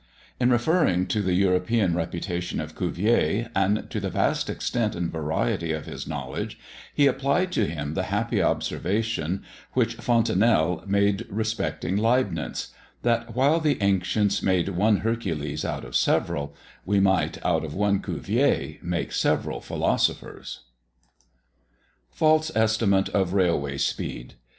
In referring to the European reputation of Cuvier, and to the vast extent and variety of his knowledge, he applied to him the happy observation which Fontenelle made respecting Leibnitz that while the ancients made one Hercules out of several, we might, out of one Cuvier, make several philosophers. FALSE ESTIMATE OF RAILWAY SPEED.